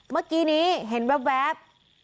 เมื่อกี้นี้เห็นแว๊บ